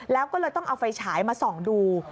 แล้วก็เลยต้องเอาไฟฉายมาส่องดู